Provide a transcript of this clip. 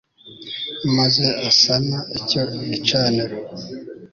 maze asana icyo gicaniro